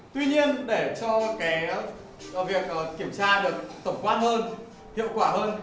tuy nhiên để cho việc kiểm tra được tổng quan hơn hiệu quả hơn